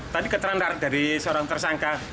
tadi keterang terang dari seorang tersangka